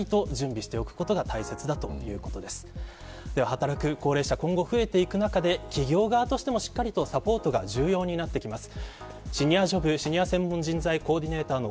働く高齢者、今後増えていく中で企業側としてもしっかりとサポートが重要になってきます。